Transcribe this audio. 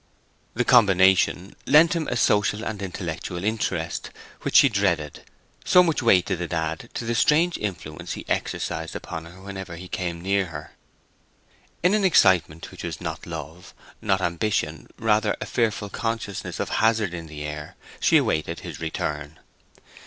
The combination lent him a social and intellectual interest which she dreaded, so much weight did it add to the strange influence he exercised upon her whenever he came near her. In an excitement which was not love, not ambition, rather a fearful consciousness of hazard in the air, she awaited his return.